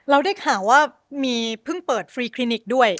ได้ข่าวว่ามีเพิ่งเปิดฟรีคลินิกด้วย